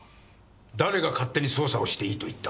誰が勝手に捜査をしていいと言った。